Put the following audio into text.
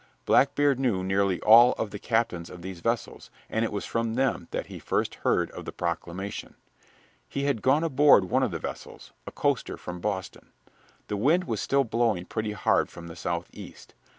Blackbeard knew nearly all of the captains of these vessels, and it was from them that he first heard of the proclamation. He had gone aboard one of the vessels a coaster from Boston. The wind was still blowing pretty hard from the southeast.